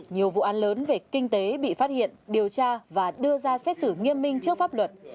nhiều vụ an lớn về kinh tế bị phát hiện điều tra và đưa ra xét xử nghiêm minh trước pháp luật